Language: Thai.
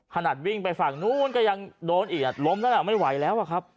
ขนาดวิ่งไปฝั่งนู้นก็ยังโดนอีกหลบไม่ไหวแล้วครับ